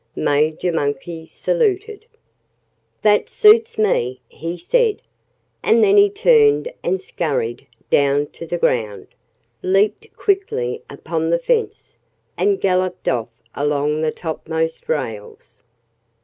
Major Monkey saluted. "That suits me," he said. And then he turned and scurried down to the ground, leaped quickly upon the fence, and galloped off along the topmost rails.